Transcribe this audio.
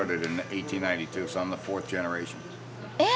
えっ？